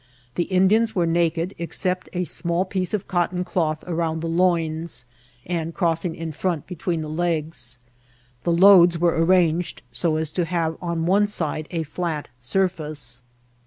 The Indians were naked, except a small piece of cotton cloth around the loins, and crossing in front between the legs. The loads were arranged so as to have on one side a flat surface.